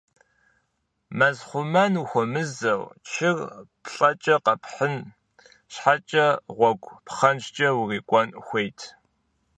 Мэзхъумэм ухуэмызэу чыр плӀэкӀэ къэпхьын щхьэкӀэ гъуэгу пхэнжкӏэ урикӏуэн хуейт.